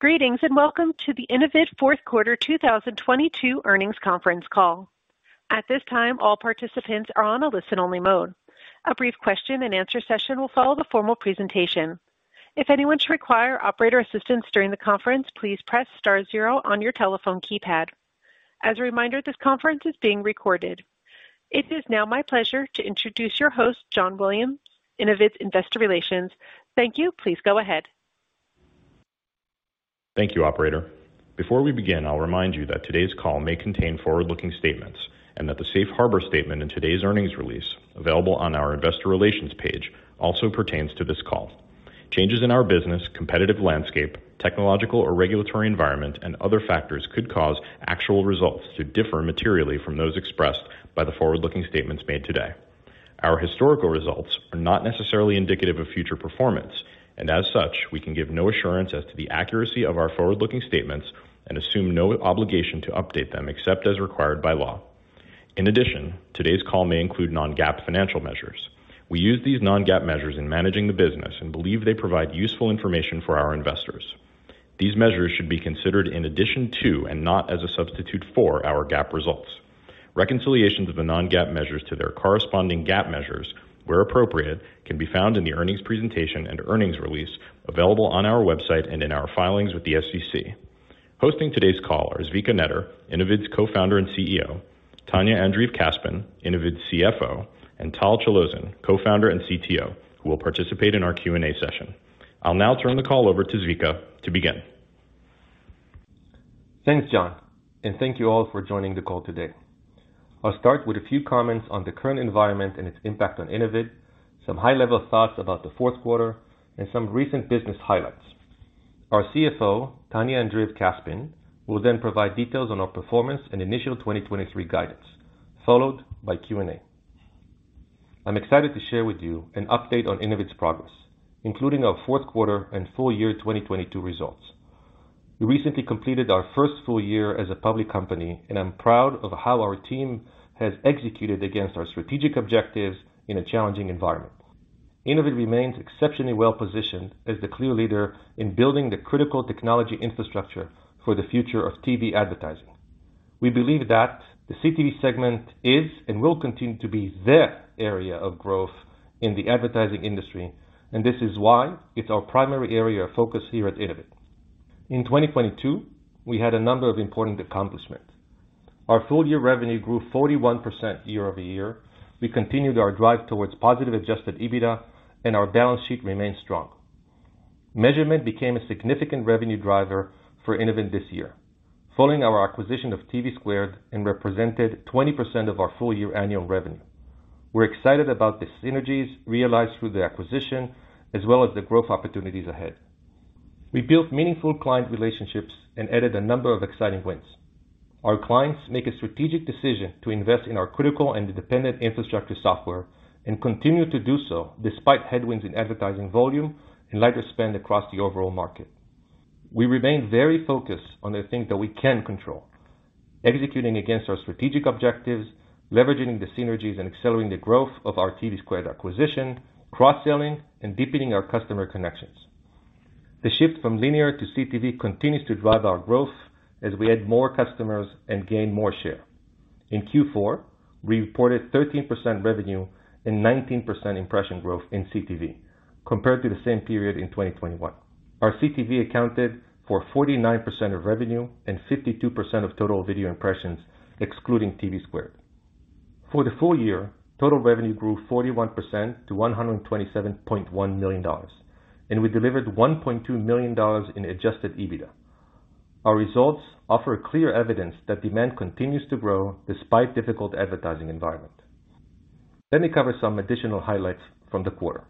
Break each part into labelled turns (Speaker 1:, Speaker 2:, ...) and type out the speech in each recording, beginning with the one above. Speaker 1: Greetings, and welcome to the Innovid fourth quarter 2022 earnings conference call. At this time, all participants are on a listen-only mode. A brief question-and-answer session will follow the formal presentation. If anyone should require operator assistance during the conference, please press star 0 on your telephone keypad. As a reminder, this conference is being recorded. It is now my pleasure to introduce your host, John Williams, Innovid's Investor Relations. Thank you. Please go ahead.
Speaker 2: Thank you, operator. Before we begin, I'll remind you that today's call may contain forward-looking statements and that the safe harbor statement in today's earnings release, available on our investor relations page, also pertains to this call. Changes in our business, competitive landscape, technological or regulatory environment, and other factors could cause actual results to differ materially from those expressed by the forward-looking statements made today. Our historical results are not necessarily indicative of future performance, and as such, we can give no assurance as to the accuracy of our forward-looking statements and assume no obligation to update them except as required by law. In addition, today's call may include non-GAAP financial measures. We use these non-GAAP measures in managing the business and believe they provide useful information for our investors. These measures should be considered in addition to and not as a substitute for our GAAP results. Reconciliations of the non-GAAP measures to their corresponding GAAP measures, where appropriate, can be found in the earnings presentation and earnings release available on our website and in our filings with the SEC. Hosting today's call are Zvika Netter, Innovid's Co-Founder and CEO, Tanya Andreev-Kaspin, Innovid's CFO, and Tal Chalozin, Co-Founder and CTO, who will participate in our Q&A session. I'll now turn the call over to Zvika to begin.
Speaker 3: Thanks, John, and thank you all for joining the call today. I'll start with a few comments on the current environment and its impact on Innovid, some high-level thoughts about the fourth quarter, and some recent business highlights. Our CFO, Tanya Andreev-Kaspin, will then provide details on our performance and initial 2023 guidance, followed by Q&A. I'm excited to share with you an update on Innovid's progress, including our fourth quarter and full-year 2022 results. We recently completed our first full-year as a public company, and I'm proud of how our team has executed against our strategic objectives in a challenging environment. Innovid remains exceptionally well-positioned as the clear leader in building the critical technology infrastructure for the future of TV advertising. We believe that the CTV segment is and will continue to be the area of growth in the advertising industry, and this is why it's our primary area of focus here at Innovid. In 2022, we had a number of important accomplishments. Our full-year revenue grew 41% year-over-year. We continued our drive towards positive Adjusted EBITDA, and our balance sheet remained strong. Measurement became a significant revenue driver for Innovid this year, following our acquisition of TVSquared and represented 20% of our full-year annual revenue. We're excited about the synergies realized through the acquisition as well as the growth opportunities ahead. We built meaningful client relationships and added a number of exciting wins. Our clients make a strategic decision to invest in our critical and dependent infrastructure software and continue to do so despite headwinds in advertising volume and lighter spend across the overall market. We remain very focused on the things that we can control, executing against our strategic objectives, leveraging the synergies, and accelerating the growth of our TVSquared acquisition, cross-selling, and deepening our customer connections. The shift from linear to CTV continues to drive our growth as we add more customers and gain more share. In Q4, we reported 13% revenue and 19% impression growth in CTV compared to the same period in 2021. Our CTV accounted for 49% of revenue and 52% of total video impressions excluding TVSquared. For the full-year, total revenue grew 41% to $127.1 million, and we delivered $1.2 million in Adjusted EBITDA. Our results offer clear evidence that demand continues to grow despite difficult advertising environment. Let me cover some additional highlights from the quarter.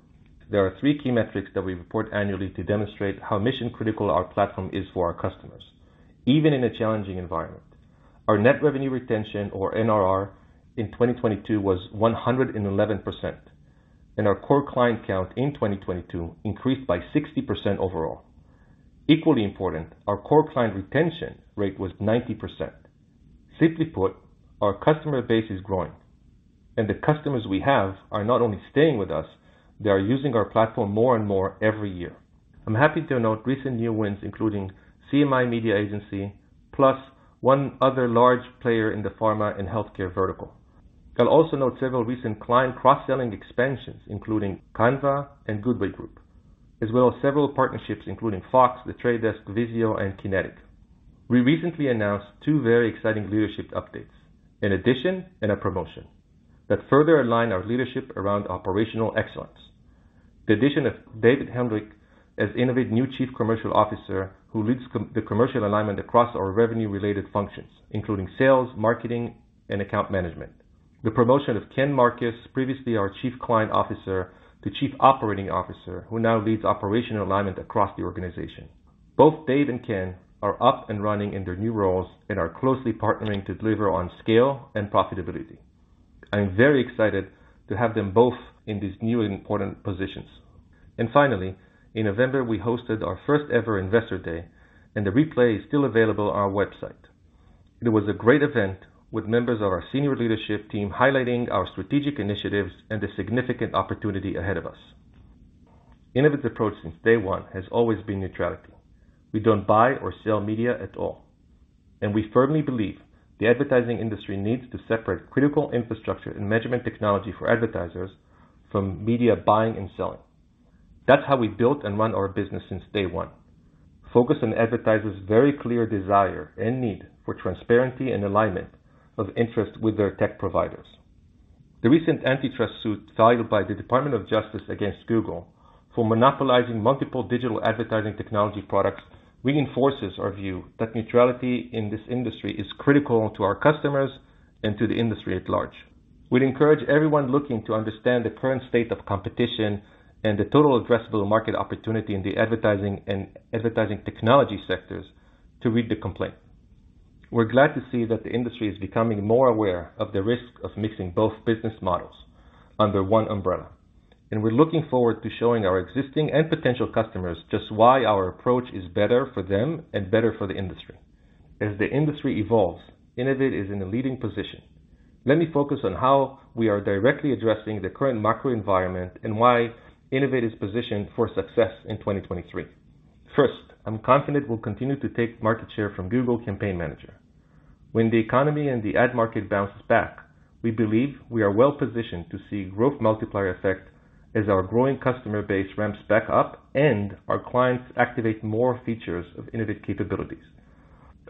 Speaker 3: There are three key metrics that we report annually to demonstrate how mission-critical our platform is for our customers, even in a challenging environment. Our net revenue retention or NRR in 2022 was 111%, and our core client count in 2022 increased by 60% overall. Equally important, our core client retention rate was 90%. Simply put, our customer base is growing, and the customers we have are not only staying with us, they are using our platform more and more every year. I'm happy to note recent new wins, including CMI Media Group, plus one other large player in the pharma and healthcare vertical. I'll also note several recent client cross-selling expansions, including Canva and Goodway Group, as well as several partnerships, including Fox, The Trade Desk, VIZIO, and Kinetiq. We recently announced two very exciting leadership updates. In addition and a promotion that further align our leadership around operational excellence. The addition of David Helmreich as Innovid's new Chief Commercial Officer who leads the commercial alignment across our revenue-related functions, including sales, marketing, and account management. The promotion of Ken Markus, previously our Chief Client Officer to Chief Operating Officer who now leads operational alignment across the organization. Both Dave and Ken are up and running in their new roles and are closely partnering to deliver on scale and profitability. I am very excited to have them both in these new and important positions. Finally, in November, we hosted our first ever Investor Day, and the replay is still available on our website. It was a great event with members of our senior leadership team highlighting our strategic initiatives and the significant opportunity ahead of us. Innovid's approach since day one has always been neutrality. We don't buy or sell media at all, and we firmly believe the advertising industry needs to separate critical infrastructure and measurement technology for advertisers from media buying and selling. That's how we built and run our business since day one. Focus on advertisers' very clear desire and need for transparency and alignment of interest with their tech providers. The recent antitrust suit filed by the Department of Justice against Google for monopolizing multiple digital advertising technology products reinforces our view that neutrality in this industry is critical to our customers and to the industry at large. We'd encourage everyone looking to understand the current state of competition and the total addressable market opportunity in the advertising and advertising technology sectors to read the complaint. We're glad to see that the industry is becoming more aware of the risk of mixing both business models under one umbrella, and we're looking forward to showing our existing and potential customers just why our approach is better for them and better for the industry. As the industry evolves, Innovid is in a leading position. Let me focus on how we are directly addressing the current macro environment and why Innovid is positioned for success in 2023. First, I'm confident we'll continue to take market share from Campaign Manager 360. When the economy and the ad market bounces back, we believe we are well-positioned to see growth multiplier effect as our growing customer base ramps back up and our clients activate more features of Innovid capabilities.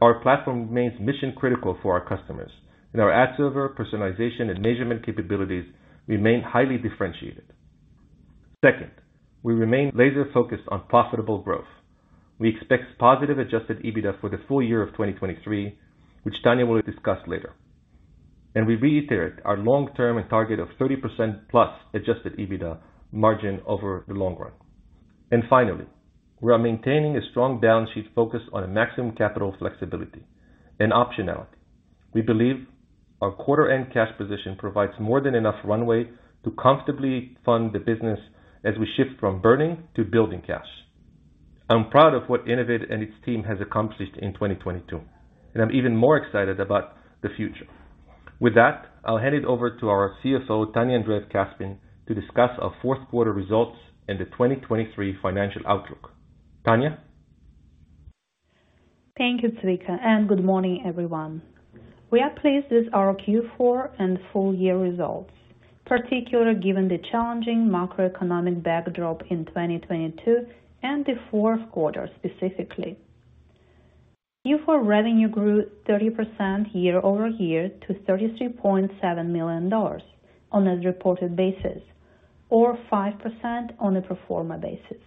Speaker 3: Our platform remains mission-critical for our customers, and our ad server, personalization, and measurement capabilities remain highly differentiated. Second, we remain laser-focused on profitable growth. We expect positive Adjusted EBITDA for the full-year of 2023, which Tanya will discuss later. We reiterate our long-term target of 30%+ Adjusted EBITDA margin over the long run. Finally, we are maintaining a strong balance sheet focused on maximum capital flexibility and optionality. We believe our quarter-end cash position provides more than enough runway to comfortably fund the business as we shift from burning to building cash. I'm proud of what Innovid and its team has accomplished in 2022, and I'm even more excited about the future. With that, I'll hand it over to our CFO, Tanya Andreev-Kaspin, to discuss our fourth quarter results and the 2023 financial outlook. Tanya?
Speaker 4: Thank you, Zvika, and good morning, everyone. We are pleased with our Q4 and full-year results, particularly given the challenging macroeconomic backdrop in 2022 and the fourth quarter specifically. Q4 revenue grew 30% year-over-year to $33.7 million on as reported basis or 5% on a pro forma basis.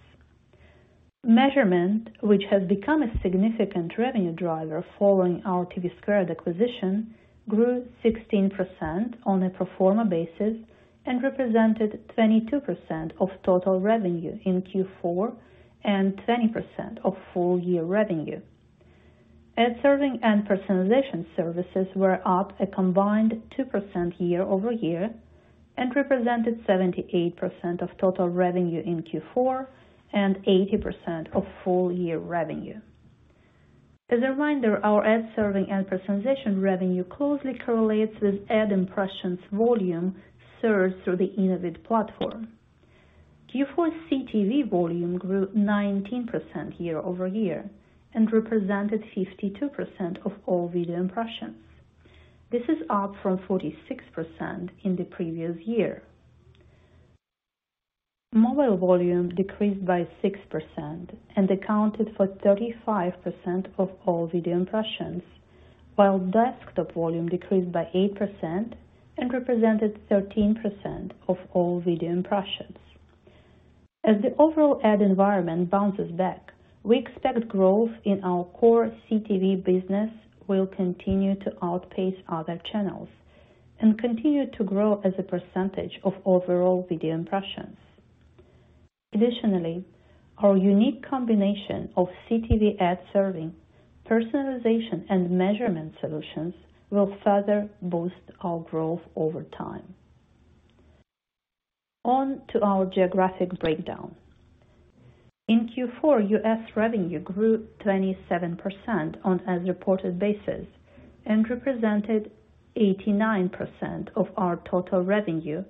Speaker 4: Measurement, which has become a significant revenue driver following our TVSquared acquisition, grew 16% on a pro forma basis and represented 22% of total revenue in Q4 and 20% of full-year revenue. Ad serving and personalization services were up a combined 2% year-over-year and represented 78% of total revenue in Q4 and 80% of full-year revenue. As a reminder, our ad serving and personalization revenue closely correlates with ad impressions volume served through the Innovid platform. Q4 CTV volume grew 19% year-over-year and represented 52% of all video impressions. This is up from 46% in the previous year. Mobile volume decreased by 6% and accounted for 35% of all video impressions, while desktop volume decreased by 8% and represented 13% of all video impressions. As the overall ad environment bounces back, we expect growth in our core CTV business will continue to outpace other channels and continue to grow as a percentage of overall video impressions. Additionally, our unique combination of CTV ad serving, personalization, and measurement solutions will further boost our growth over time. On to our geographic breakdown. In Q4, U.S. revenue grew 27% on as reported basis and represented 89% of our total revenue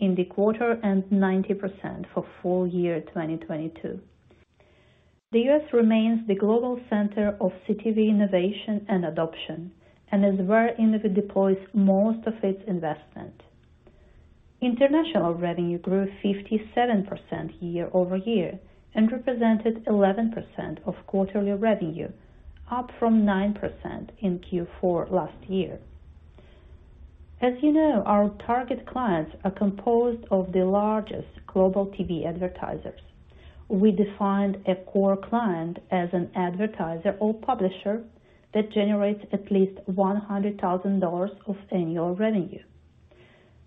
Speaker 4: in the quarter and 90% for full-year 2022. The U.S. remains the global center of CTV innovation and adoption and is where Innovid deploys most of its investment. International revenue grew 57% year-over-year and represented 11% of quarterly revenue, up from 9% in Q4 last year. As you know, our target clients are composed of the largest global TV advertisers. We defined a core client as an advertiser or publisher that generates at least $100,000 of annual revenue.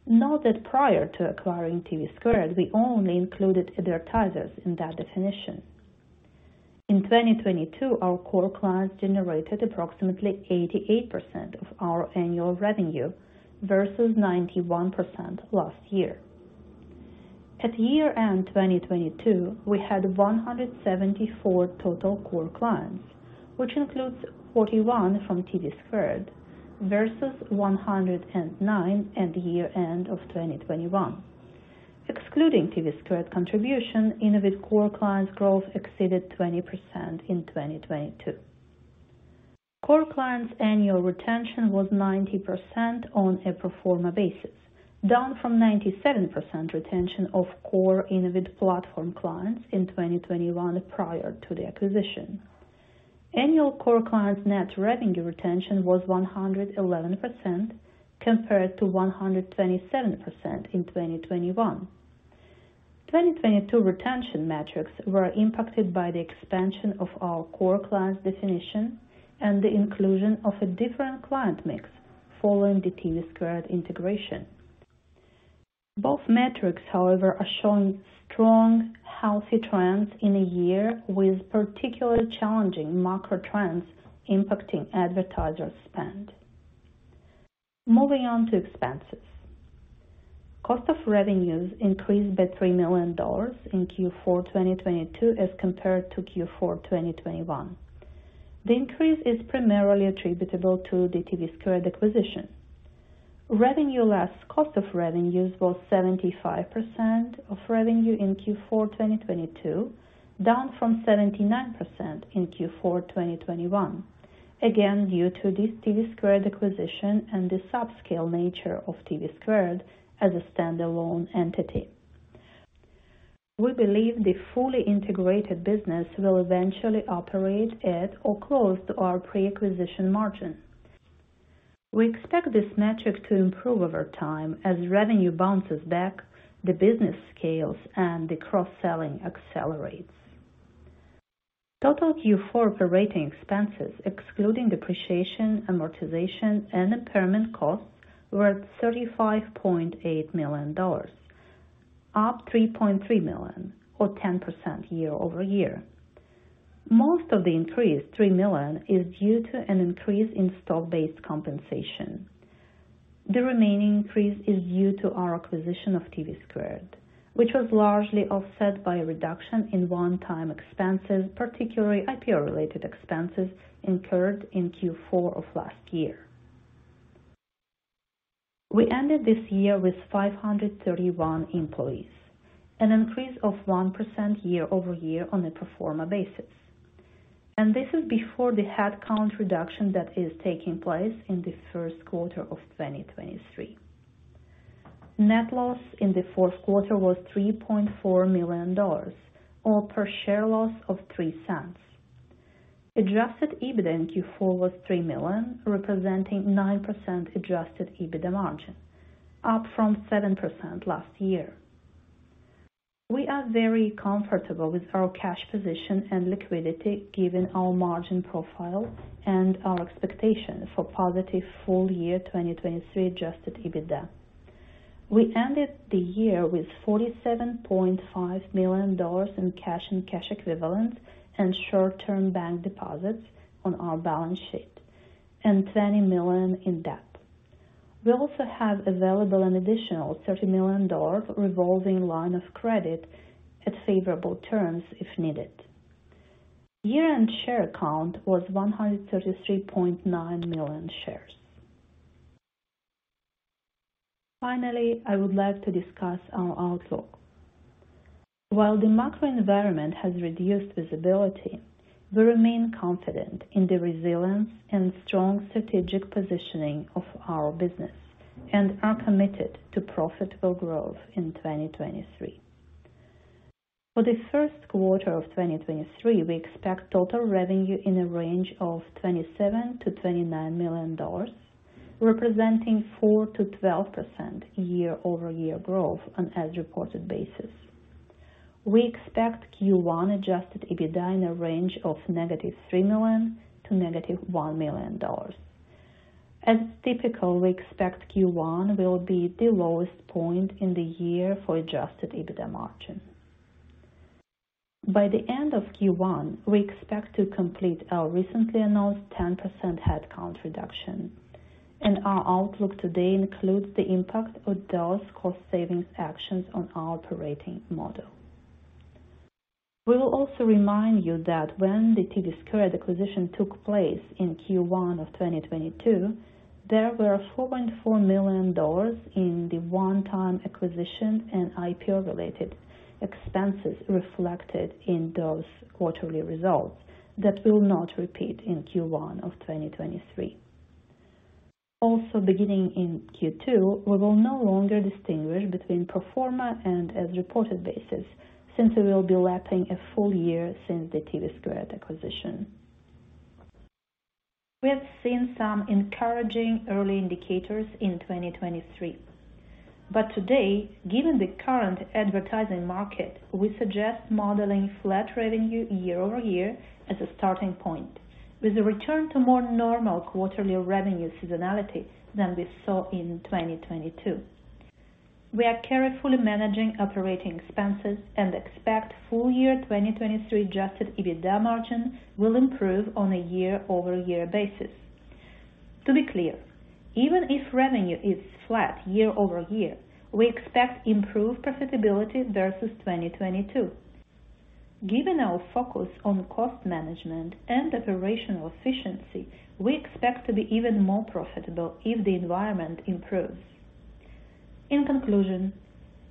Speaker 4: Note that prior to acquiring TVSquared, we only included advertisers in that definition. In 2022, our core clients generated approximately 88% of our annual revenue versus 91% last year. At year-end 2022, we had 174 total core clients, which includes 41 from TVSquared, versus 109 at the year-end of 2021. Excluding TVSquared contribution, Innovid core clients growth exceeded 20% in 2022. Core clients annual retention was 90% on a pro forma basis, down from 97% retention of core Innovid platform clients in 2021 prior to the acquisition. Annual core clients net revenue retention was 111% compared to 127% in 2021. 2022 retention metrics were impacted by the expansion of our core clients definition and the inclusion of a different client mix following the TVSquared integration. Both metrics, however, are showing strong, healthy trends in a year with particularly challenging macro trends impacting advertisers' spend. Moving on to expenses. Cost of revenues increased by $3 million in Q4 2022 as compared to Q4 2021. The increase is primarily attributable to the TVSquared acquisition. Revenue less cost of revenues was 75% of revenue in Q4 2022, down from 79% in Q4 2021, again due to this TVSquared acquisition and the subscale nature of TVSquared as a standalone entity. We believe the fully integrated business will eventually operate at or close to our pre-acquisition margin. We expect this metric to improve over time as revenue bounces back, the business scales, and the cross-selling accelerates. Total Q4 operating expenses, excluding depreciation, amortization, and impairment costs, were at $35.8 million, up $3.3 million or 10% year-over-year. Most of the increase, $3 million, is due to an increase in stock-based compensation. The remaining increase is due to our acquisition of TVSquared, which was largely offset by a reduction in one-time expenses, particularly IPO-related expenses incurred in Q4 of last year. We ended this year with 531 employees, an increase of 1% year-over-year on a pro forma basis. This is before the headcount reduction that is taking place in the first quarter of 2023. Net loss in the fourth quarter was $3.4 million, or per share loss of $0.03. Adjusted EBITDA in Q4 was $3 million, representing 9% Adjusted EBITDA margin, up from 7% last year. We are very comfortable with our cash position and liquidity given our margin profile and our expectation for positive full-year 2023 Adjusted EBITDA. We ended the year with $47.5 million in cash and cash equivalents and short-term bank deposits on our balance sheet and $20 million in debt. We also have available an additional $30 million revolving line of credit at favorable terms if needed. Year-end share count was 133.9 million shares. I would like to discuss our outlook. While the macro environment has reduced visibility, we remain confident in the resilience and strong strategic positioning of our business and are committed to profitable growth in 2023. For the first quarter of 2023, we expect total revenue in a range of $27-29 million, representing 4%-12% year-over-year growth on as reported basis. We expect Q1 Adjusted EBITDA in a range of -$3 million to -$1 million. As typical, we expect Q1 will be the lowest point in the year for Adjusted EBITDA margin. By the end of Q1, we expect to complete our recently announced 10% headcount reduction, and our outlook today includes the impact of those cost savings actions on our operating model. We will also remind you that when the TVSquared acquisition took place in Q1 of 2022, there were $4.4 million in the one-time acquisition and IPO-related expenses reflected in those quarterly results that will not repeat in Q1 of 2023. Beginning in Q2, we will no longer distinguish between pro forma and as reported basis since we will be lapping a full-year since the TVSquared acquisition. We have seen some encouraging early indicators in 2023. Today, given the current advertising market, we suggest modeling flat revenue year-over-year as a starting point, with a return to more normal quarterly revenue seasonality than we saw in 2022. We are carefully managing operating expenses and expect full-year 2023 Adjusted EBITDA margin will improve on a year-over-year basis. To be clear, even if revenue is flat year-over-year, we expect improved profitability versus 2022. Given our focus on cost management and operational efficiency, we expect to be even more profitable if the environment improves. In conclusion,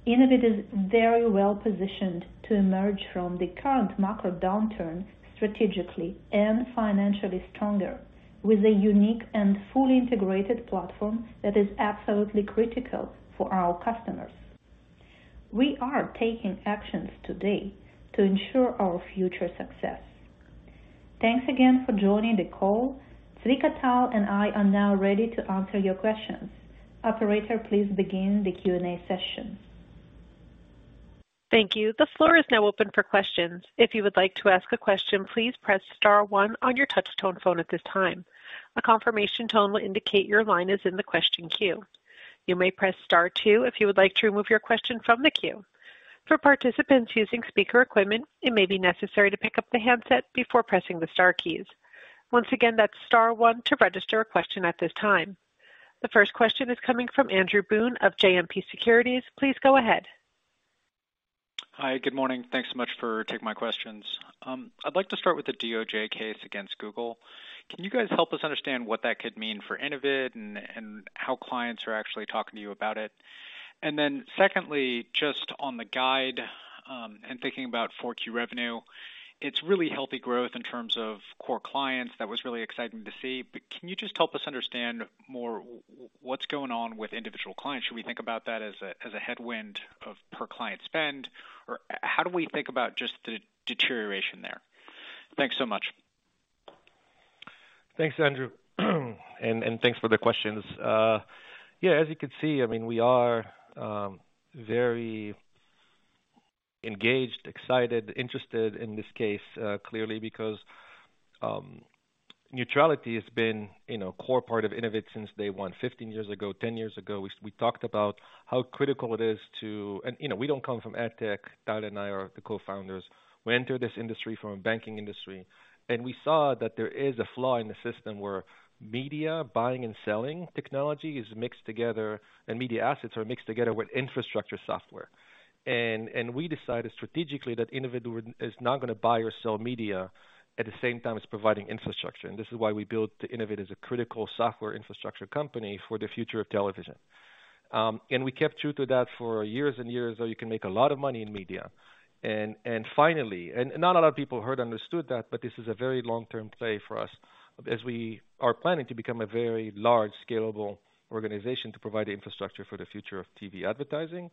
Speaker 4: Innovid is very well positioned to emerge from the current macro downturn strategically and financially stronger with a unique and fully integrated platform that is absolutely critical for our customers. We are taking actions today to ensure our future success. Thanks again for joining the call. Zvika, Tal, and I are now ready to answer your questions. Operator, please begin the Q&A session.
Speaker 1: Thank you. The floor is now open for questions. If you would like to ask a question, please press star one on your touch-tone phone at this time. A confirmation tone will indicate your line is in the question queue. You may press star two if you would like to remove your question from the queue. For participants using speaker equipment, it may be necessary to pick up the handset before pressing the star keys. Once again, that's star one to register a question at this time. The first question is coming from Andrew Boone of JMP Securities. Please go ahead.
Speaker 5: Hi. Good morning. Thanks so much for taking my questions. I'd like to start with the DOJ case against Google. Can you guys help us understand what that could mean for Innovid and how clients are actually talking to you about it? Secondly, just on the guide, and thinking about Q4 revenue, it's really healthy growth in terms of core clients. That was really exciting to see. Can you just help us understand more what's going on with individual clients? Should we think about that as a, as a headwind of per-client spend? How do we think about just the deterioration there? Thanks so much.
Speaker 3: Thanks, Andrew, and thanks for the questions. Yeah, as you can see, I mean, we are very engaged, excited, interested in this case, clearly because neutrality has been, you know, a core part of Innovid since day one. 15 years ago, 10 years ago, we talked about how critical it is. You know, we don't come from ad tech. Tal and I are the cofounders. We entered this industry from a banking industry, we saw that there is a flaw in the system where media buying and selling technology is mixed together, and media assets are mixed together with infrastructure software. We decided strategically that Innovid is not gonna buy or sell media at the same time it's providing infrastructure. This is why we built Innovid as a critical software infrastructure company for the future of television. We kept true to that for years and years, though you can make a lot of money in media. Finally, and not a lot of people heard or understood that, but this is a very long-term play for us as we are planning to become a very large scalable organization to provide infrastructure for the future of TV advertising.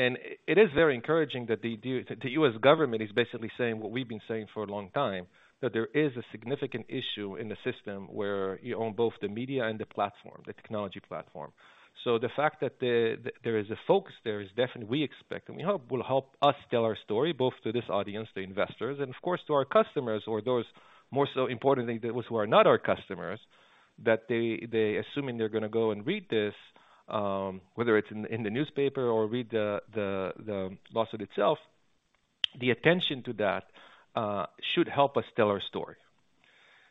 Speaker 3: It is very encouraging that the U.S. government is basically saying what we've been saying for a long time, that there is a significant issue in the system where you own both the media and the platform, the technology platform. The fact that there is a focus there is definitely we expect and we hope will help us tell our story both to this audience, the investors, and of course, to our customers or those more so importantly, those who are not our customers, that they assuming they're gonna go and read this, whether it's in the newspaper or read the lawsuit itself, the attention to that should help us tell our story.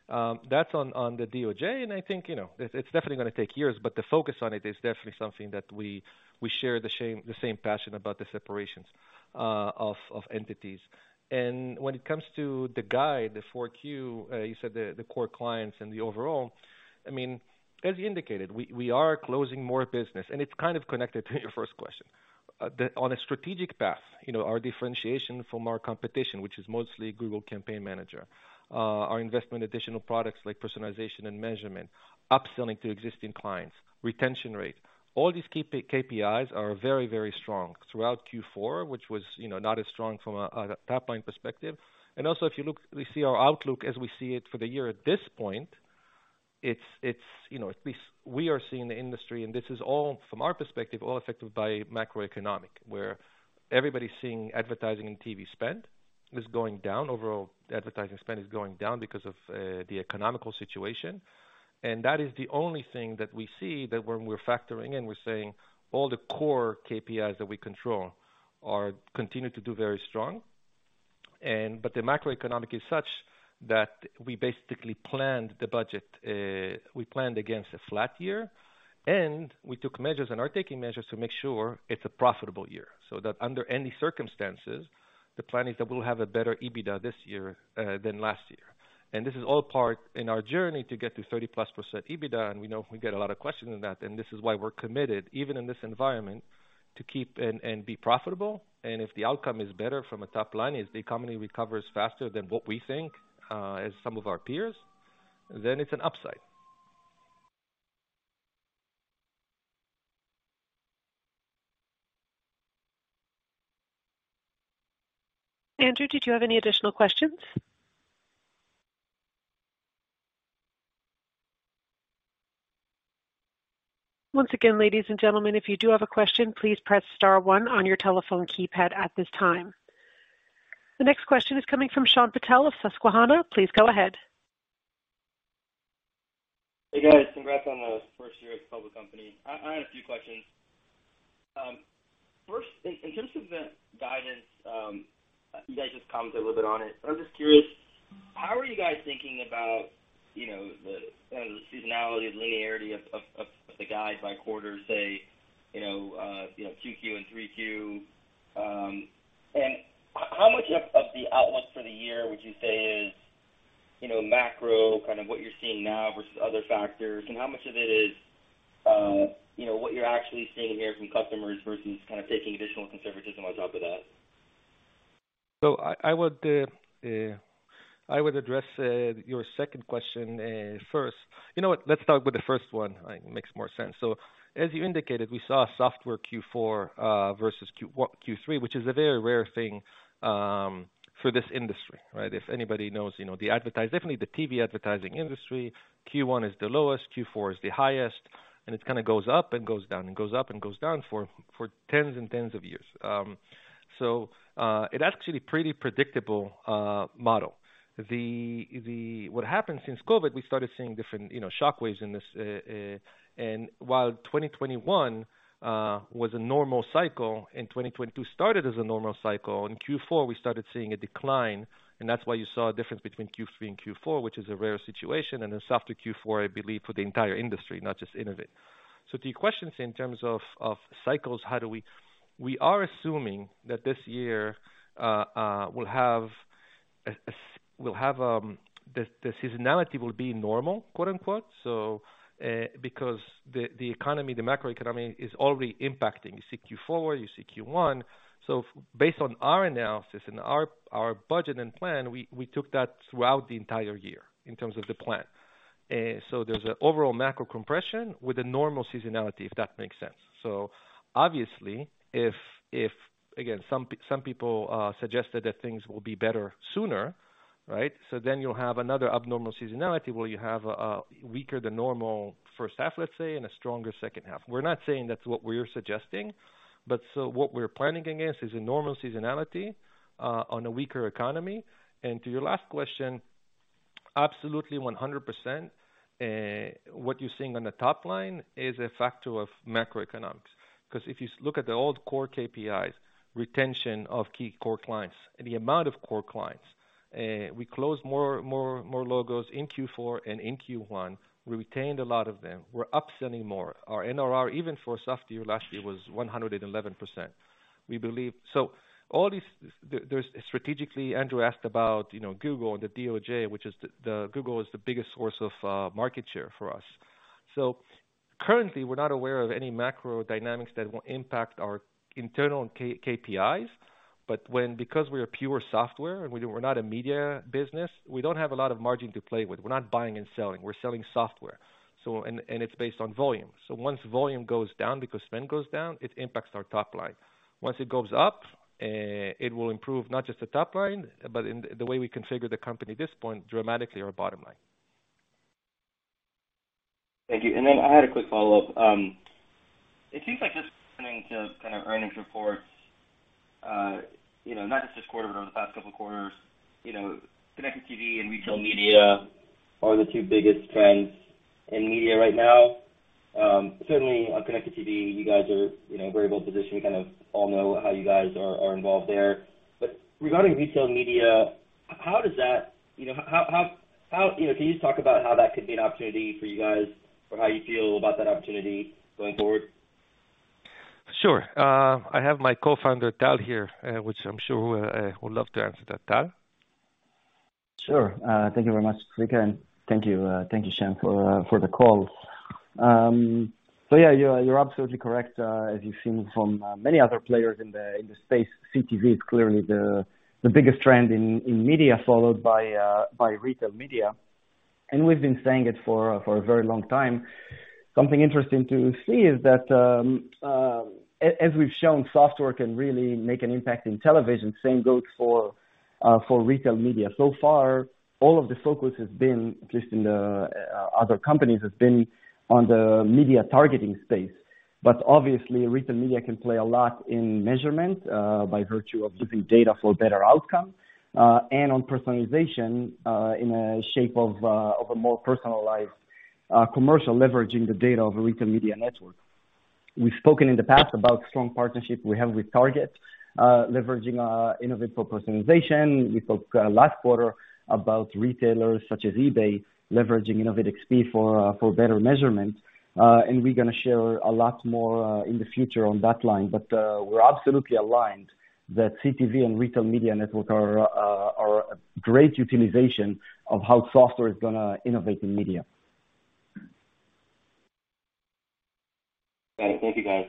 Speaker 3: That's on the DOJ, and I think, you know, it's definitely gonna take years, but the focus on it is definitely something that we share the same passion about the separations of entities. When it comes to the guide, the Q4, you said the core clients and the overall, I mean, as you indicated, we are closing more business, and it's kind of connected to your first question. On a strategic path, you know, our differentiation from our competition, which is mostly Campaign Manager 360, our investment additional products like personalization and measurement, upselling to existing clients, retention rate, all these KPIs are very, very strong throughout Q4, which was, you know, not as strong from a top-line perspective. If you look, we see our outlook as we see it for the year at this point, it's, you know, at least we are seeing the industry and this is all from our perspective, all affected by macroeconomic, where everybody's seeing advertising and TV spend is going down. Overall advertising spend is going down because of the economical situation. That is the only thing that we see that when we're factoring in, we're saying all the core KPIs that we control are continued to do very strong. But the macroeconomic is such that we basically planned the budget. We planned against a flat year, and we took measures and are taking measures to make sure it's a profitable year, so that under any circumstances, the plan is that we'll have a better EBITDA this year than last year. This is all part in our journey to get to 30%+ EBITDA, and we know we get a lot of questions on that. This is why we're committed, even in this environment, to keep and be profitable. If the outcome is better from a top line, if the economy recovers faster than what we think, as some of our peers, then it's an upside.
Speaker 1: Andrew, did you have any additional questions? Once again, ladies and gentlemen, if you do have a question, please press star one on your telephone keypad at this time. The next question is coming from Shyam Patil of Susquehanna. Please go ahead.
Speaker 6: Hey, guys. Congrats on the first year as a public company. I have a few questions. First in terms of the guidance, you guys just commented a little bit on it, I'm just curious, how are you guys thinking about, you know, the, kind of the seasonality and linearity of the guides by quarter, say, you know, 2Q and 3Q? And how much of the outlook for the year would you say is, you know, macro kind of what you're seeing now versus other factors? And how much of it is, you know, what you're actually seeing here from customers versus kind of taking additional conservatism on top of that?
Speaker 3: I would address your second question first. You know what? Let's start with the first one. I think it makes more sense. As you indicated, we saw a softer Q4 versus Q3, which is a very rare thing for this industry, right? If anybody knows, you know, the TV advertising industry, Q1 is the lowest, Q4 is the highest, and it kinda goes up and goes down and goes up and goes down for tens and tens of years. It actually pretty predictable model. What happened since COVID, we started seeing different, you know, shock waves in this... While 2021 was a normal cycle, and 2022 started as a normal cycle, in Q4, we started seeing a decline, and that's why you saw a difference between Q3 and Q4, which is a rare situation, and a softer Q4, I believe, for the entire industry, not just Innovid. The questions in terms of cycles, we are assuming that this year will have the seasonality will be normal, quote, unquote. Because the economy, the macroeconomy is already impacting. You see Q4, you see Q1. Based on our analysis and our budget and plan, we took that throughout the entire year in terms of the plan. There's an overall macro compression with a normal seasonality, if that makes sense. Obviously, if, again, some people suggested that things will be better sooner, right? You'll have another abnormal seasonality where you have a weaker than normal first half, let's say, and a stronger second half. We're not saying that's what we're suggesting, what we're planning against is a normal seasonality on a weaker economy. To your last question, absolutely 100%, what you're seeing on the top line is a factor of macroeconomics. Because if you look at the old core KPIs, retention of key core clients and the amount of core clients, we closed more logos in Q4 and in Q1. We retained a lot of them. We're upselling more. Our NRR, even for a soft year last year, was 111%. We believe... All these... There's strategically, Andrew asked about, you know, Google and the DOJ, which is, Google is the biggest source of market share for us. Currently, we're not aware of any macro dynamics that will impact our internal KPIs. Because we are pure software and we're not a media business, we don't have a lot of margin to play with. We're not buying and selling. We're selling software. It's based on volume. Once volume goes down because spend goes down, it impacts our top line. Once it goes up, it will improve not just the top line, but in the way we configure the company at this point, dramatically our bottom line.
Speaker 6: Thank you. Then I had a quick follow-up. It seems like just listening to kind of earnings reports, you know, not just this quarter, but over the past couple of quarters, you know, connected TV and retail media are the two biggest trends in media right now. Certainly on connected TV, you guys are, you know, in a very good position. We kind of all know how you guys are involved there. But regarding retail media, does that, you know, how, you know, can you just talk about how that could be an opportunity for you guys or how you feel about that opportunity going forward?
Speaker 3: Sure. I have my co-founder, Tal, here, which I'm sure would love to answer that. Tal?
Speaker 7: Sure. Thank you very much, Zvika. Thank you, Shyam, for the call. Yeah, you're absolutely correct. As you've seen from many other players in the space, CTV is clearly the biggest trend in media, followed by retail media. We've been saying it for a very long time. Something interesting to see is that, as we've shown, software can really make an impact in television. Same goes for retail media. So far, all of the focus has been, at least in the, other companies, has been on the media targeting space. Obviously, retail media can play a lot in measurement, by virtue of using data for better outcomes, and on personalization, in a shape of a more personalized commercial leveraging the data of a retail media network. We've spoken in the past about strong partnership we have with Target, leveraging Innovid for personalization. We spoke last quarter about retailers such as eBay leveraging InnovidXP for better measurement. We're gonna share a lot more in the future on that line. We're absolutely aligned that CTV and retail media network are a great utilization of how software is gonna innovate in media.
Speaker 6: Great. Thank you, guys.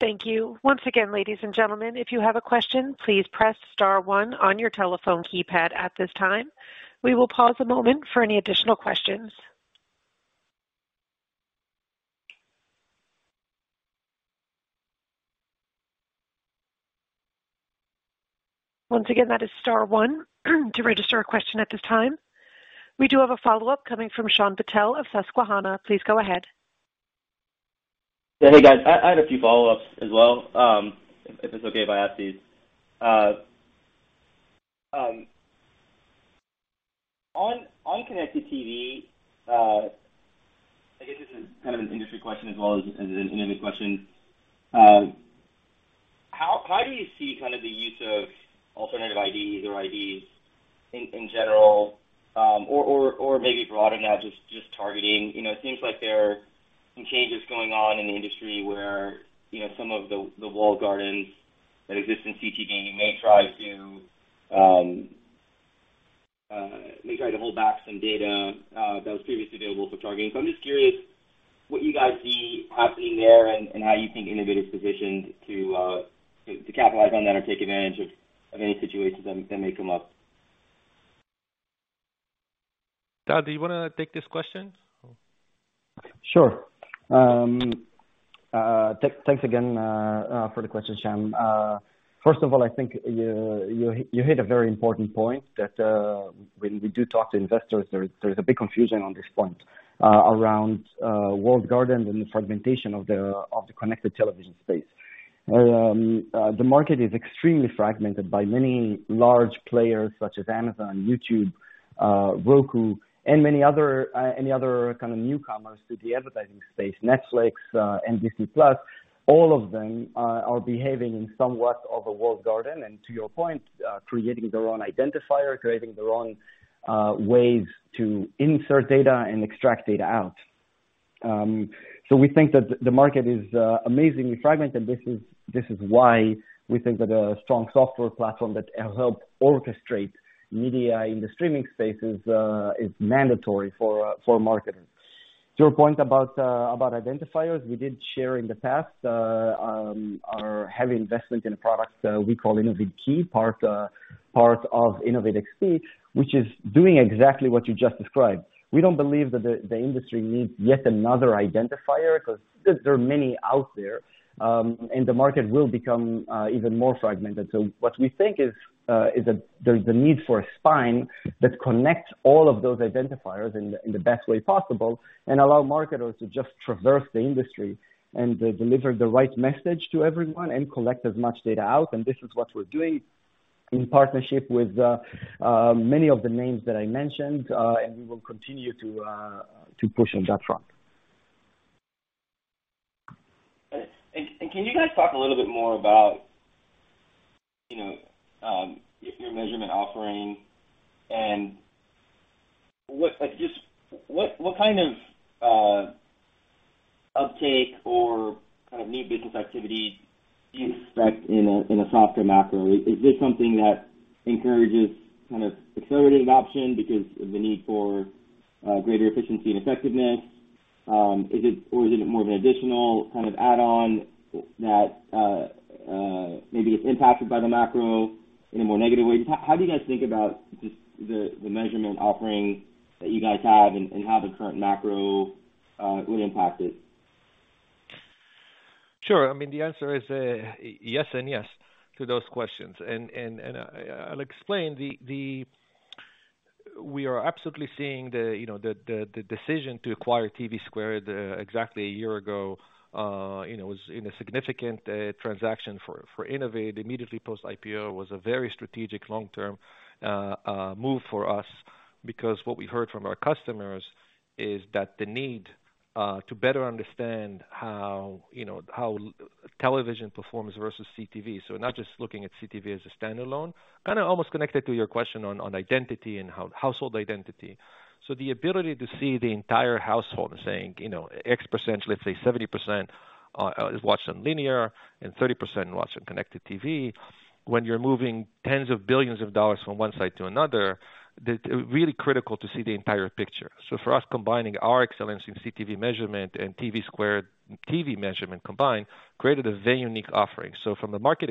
Speaker 1: Thank you. Once again, ladies and gentlemen, if you have a question, please press star 1 on your telephone keypad at this time. We will pause a moment for any additional questions. Once again, that is star 1 to register a question at this time. We do have a follow-up coming from Shyam Patil of Susquehanna. Please go ahead.
Speaker 6: Hey guys, I had a few follow-ups as well, if it's okay if I ask these. On connected TV, I guess this is kind of an industry question as well as an Innovid question. How do you see kind of the use of alternative IDs or IDs in general? Maybe broader now just targeting. You know, it seems like there are some changes going on in the industry where, you know, some of the walled gardens that exist in CTV may try to hold back some data that was previously available for targeting. I'm just curious what you guys see happening there and how you think Innovid is positioned to capitalize on that or take advantage of any situations that may come up.
Speaker 3: Tal, do you wanna take this question?
Speaker 7: Sure. Thanks again for the question, Shyam. First of all, I think you hit a very important point that when we do talk to investors, there is a big confusion on this point around walled gardens and the fragmentation of the connected television space. The market is extremely fragmented by many large players such as Amazon, YouTube, Roku and many other, any other kind of newcomers to the advertising space, Netflix, Peacock. All of them are behaving in somewhat of a walled garden, and to your point, creating their own identifier, creating their own ways to insert data and extract data out. We think that the market is amazingly fragmented. This is why we think that a strong software platform that helps orchestrate media in the streaming space is mandatory for marketers. To your point about identifiers, we did share in the past, our heavy investment in a product we call Innovid Key, part of InnovidXP, which is doing exactly what you just described. We don't believe that the industry needs yet another identifier because there are many out there, and the market will become even more fragmented. What we think is that there's the need for a spine that connects all of those identifiers in the best way possible, and allow marketers to just traverse the industry and deliver the right message to everyone and collect as much data out, and this is what we're doing in partnership with many of the names that I mentioned, and we will continue to push on that front.
Speaker 6: Can you guys talk a little bit more about, you know, your measurement offering and what, like, just what kind of uptake or kind of new business activity do you expect in a softer macro? Is this something that encourages kind of accelerating adoption because of the need for greater efficiency and effectiveness? Or is it more of an additional kind of add-on that maybe it's impacted by the macro in a more negative way? How do you guys think about just the measurement offering that you guys have and how the current macro would impact it?
Speaker 3: Sure. I mean, the answer is yes and yes to those questions. I'll explain. We are absolutely seeing the, you know, the decision to acquire TVSquared exactly a year ago, you know, was a significant transaction for Innovid immediately post IPO was a very strategic long-term move for us because what we heard from our customers is that the need to better understand how, you know, how television performs versus CTV. Not just looking at CTV as a standalone, kind of almost connected to your question on identity and household identity. The ability to see the entire household and saying, you know, X%, let's say 70%, is watched on linear and 30% watched on connected TV. When you're moving tens of billions of dollars from one site to another, it's really critical to see the entire picture. For us, combining our excellence in CTV measurement and TVSquared TV measurement combined created a very unique offering. From a market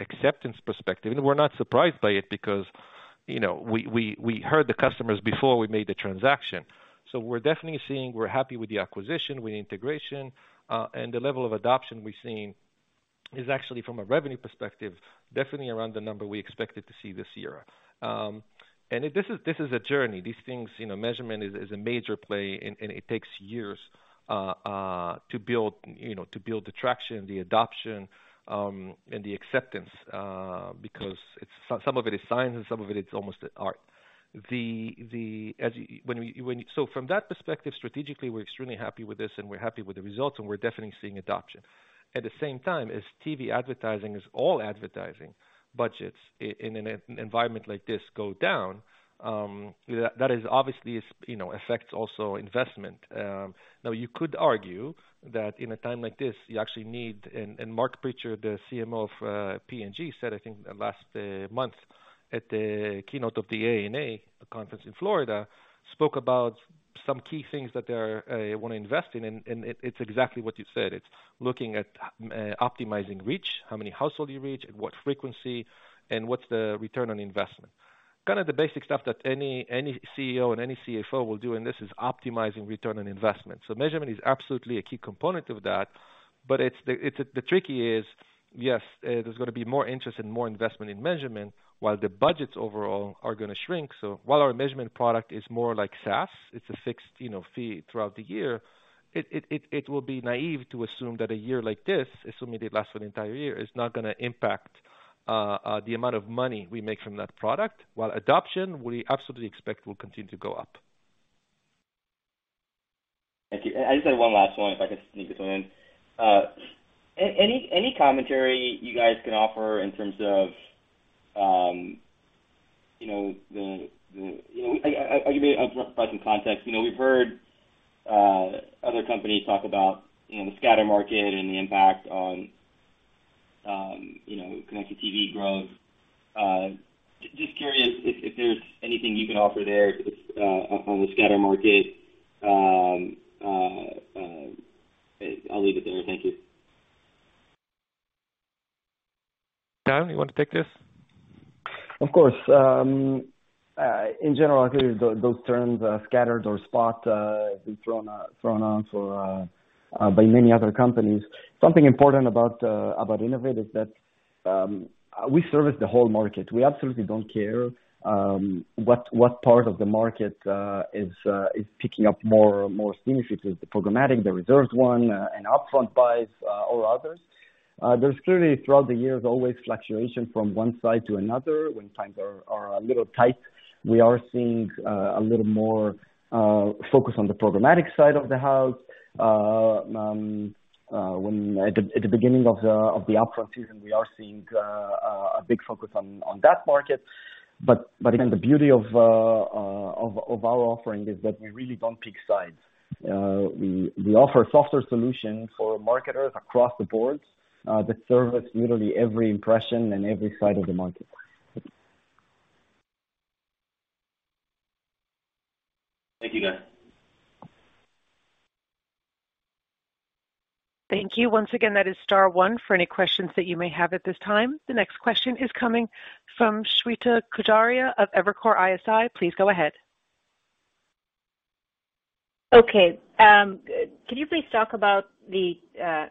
Speaker 3: acceptance perspective, we're not surprised by it because, you know, we heard the customers before we made the transaction. We're definitely seeing we're happy with the acquisition, with the integration, and the level of adoption we've seen is actually from a revenue perspective, definitely around the number we expected to see this year. This is a journey. These things, you know, measurement is a major play and it takes years to build, you know, to build the traction, the adoption, and the acceptance, because it's... Some of it is science and some of it's almost art. From that perspective, strategically, we're extremely happy with this and we're happy with the results and we're definitely seeing adoption. At the same time, as TV advertising budgets in an environment like this go down, that is obviously, you know, affects also investment. Now you could argue that in a time like this you actually need. Marc Pritchard, the CMO of P&G, said, I think last month at the keynote of the ANA conference in Florida, spoke about some key things that they wanna invest in. It's exactly what you said. It's looking at optimizing reach, how many household you reach, at what frequency, and what's the return on investment. Kind of the basic stuff that any CEO and any CFO will do, this is optimizing return on investment. Measurement is absolutely a key component of that. The tricky isYes, there's gonna be more interest and more investment in measurement while the budgets overall are gonna shrink. While our measurement product is more like SaaS, it's a fixed, you know, fee throughout the year. It will be naive to assume that a year like this, assuming it lasts for the entire year, is not gonna impact the amount of money we make from that product. While adoption, we absolutely expect will continue to go up.
Speaker 6: Thank you. I just had one last one, if I could sneak this one in. Any commentary you guys can offer in terms of, you know, I'll give you some context. You know, we've heard other companies talk about, you know, the scatter market and the impact on, you know, connected TV growth. Just curious if there's anything you can offer there on the scatter market? I'll leave it there. Thank you.
Speaker 3: Tal, you want to take this?
Speaker 7: Of course. In general, I think those terms, scatters or spot, have been thrown out by many other companies. Something important about Innovid is that we service the whole market. We absolutely don't care what part of the market is picking up more synergies with the programmatic, the reserved one, and upfront buys, or others. There's clearly throughout the years, always fluctuation from one side to another. When times are a little tight, we are seeing a little more focus on the programmatic side of the house. At the beginning of the upfront season, we are seeing a big focus on that market. Again, the beauty of our offering is that we really don't pick sides. We offer software solutions for marketers across the boards, that service literally every impression and every side of the market.
Speaker 6: Thank you, guys.
Speaker 1: Thank you. Once again, that is star 1 for any questions that you may have at this time. The next question is coming from Shweta Khajuria of Evercore ISI. Please go ahead.
Speaker 8: Okay, could you please talk about the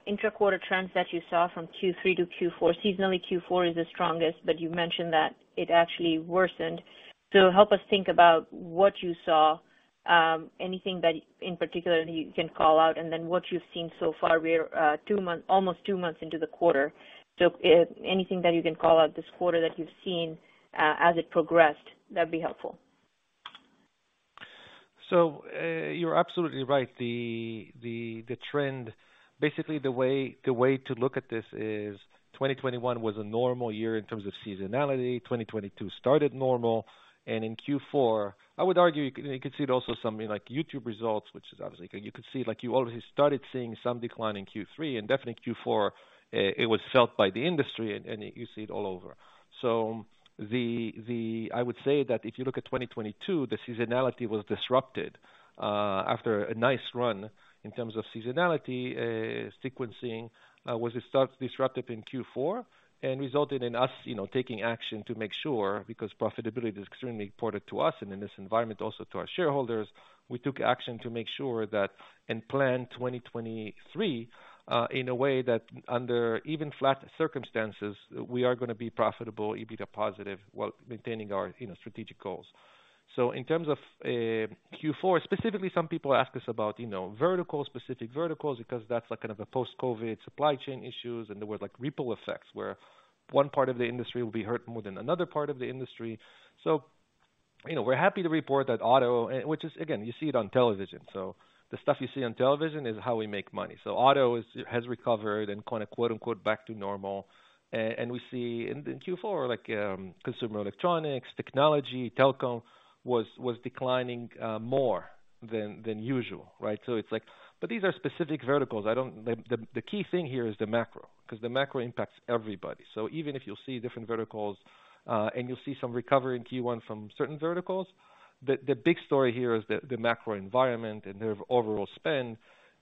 Speaker 8: intra-quarter trends that you saw from Q3 to Q4? Seasonally, Q4 is the strongest, but you mentioned that it actually worsened. Help us think about what you saw, anything that in particular you can call out, and then what you've seen so far. We're two months-- almost two months into the quarter. Anything that you can call out this quarter that you've seen, as it progressed, that'd be helpful.
Speaker 3: You're absolutely right. The way to look at this is 2021 was a normal year in terms of seasonality. 2022 started normal. In Q4, I would argue you can see it also something like YouTube results, which is obviously, like you already started seeing some decline in Q3 and definitely Q4, it was felt by the industry and you see it all over. I would say that if you look at 2022, the seasonality was disrupted after a nice run in terms of seasonality sequencing was disrupted in Q4 and resulted in us, you know, taking action to make sure, because profitability is extremely important to us and in this environment, also to our shareholders. We took action to make sure that and plan 2023, in a way that under even flat circumstances, we are gonna be profitable, EBITDA positive, while maintaining our, you know, strategic goals. In terms of Q4, specifically, some people ask us about, you know, verticals, specific verticals, because that's like kind of a post-COVID supply chain issues. There was like ripple effects, where one part of the industry will be hurt more than another part of the industry. You know, we're happy to report that auto, which is again, you see it on television. The stuff you see on television is how we make money. Auto has recovered and kinda quote unquote, "back to normal." And we see in Q4, like, consumer electronics, technology, telecom was declining more than usual, right? It's like. These are specific verticals. The key thing here is the macro, 'cause the macro impacts everybody. Even if you'll see different verticals, and you'll see some recovery in Q1 from certain verticals, the big story here is the macro environment and the overall spend.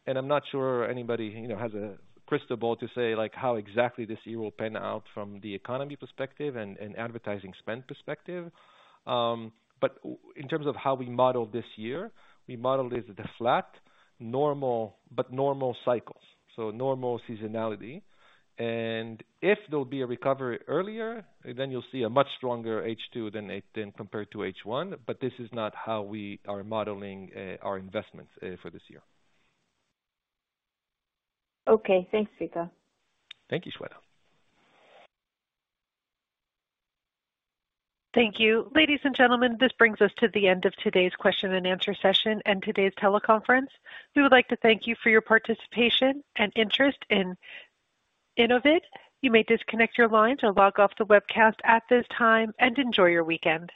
Speaker 3: I'm not sure anybody, you know, has a crystal ball to say like how exactly this year will pan out from the economy perspective and advertising spend perspective. In terms of how we model this year, we model it at a flat, normal, but normal cycles, so normal seasonality. If there'll be a recovery earlier, then you'll see a much stronger H2 than compared to H1. This is not how we are modeling our investments for this year.
Speaker 8: Okay. Thanks, Zvika.
Speaker 3: Thank you, Shweta.
Speaker 1: Thank you. Ladies and gentlemen, this brings us to the end of today's question-and-answer session and today's teleconference. We would like to thank you for your participation and interest in Innovid. You may disconnect your lines or log off the webcast at this time and enjoy your weekend.